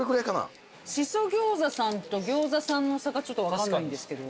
しそ餃子さんと餃子さんの差がちょっと分かんないんですけど。